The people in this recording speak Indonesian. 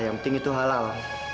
yang penting itu halal